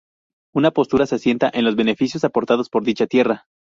Una postura se asienta en los beneficios aportados por dicha tierra.